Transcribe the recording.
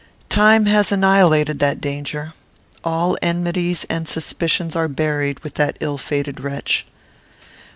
Time has annihilated that danger. All enmities and all suspicions are buried with that ill fated wretch.